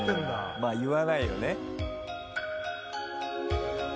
まあ言わないよね。